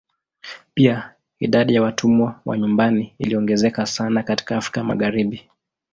Pia idadi ya watumwa wa nyumbani iliongezeka sana katika Afrika Magharibi.